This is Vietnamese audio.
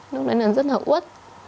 lúc đấy là rất là uất